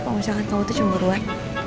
kalau misalkan kamu itu cemburuan